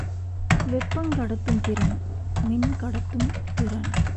வெப்பங் கடத்தும் திறன், மின்கடத்தும் திறன்.